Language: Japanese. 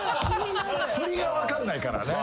振りが分かんないからね。